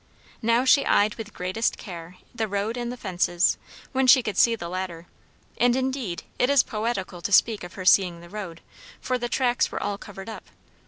Now she eyed with greatest care the road and the fences, when she could see the latter, and indeed it is poetical to speak of her seeing the road, for the tracks were all covered up.